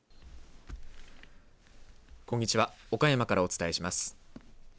こんにちは岡山からお伝えします。